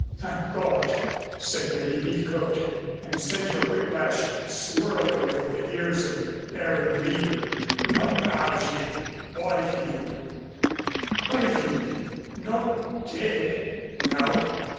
"Thank God!" said Lady Heathcote, and sent her whiplash swirling over the ears of the erring leader. "Not Algy Byfield " "Byfield not dead ?" "No.